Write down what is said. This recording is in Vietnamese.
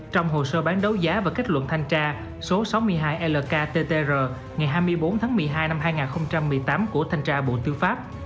trong hồ sơ bán đấu giá và kết luận thanh tra số sáu mươi hai lktr ngày hai mươi bốn tháng một mươi hai năm hai nghìn một mươi tám của thanh tra bộ tư pháp